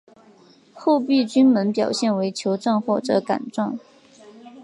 厚壁菌门表现为球状或者杆状。